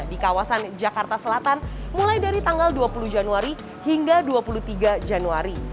di kawasan jakarta selatan mulai dari tanggal dua puluh januari hingga dua puluh tiga januari